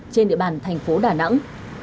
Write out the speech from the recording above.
trên địa bàn thành phố đà nẵng